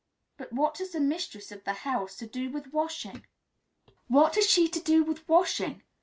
"But what has the mistress of the house to do with washing?" "What has she to do with washing?